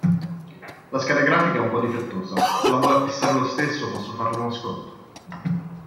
La scheda grafica è un po' difettosa, se la vuole acquistare lo stesso posso farle uno sconto.